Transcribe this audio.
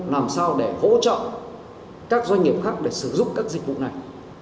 làm sao để hỗ trợ các doanh nghiệp khác để sử dụng các dịch vụ này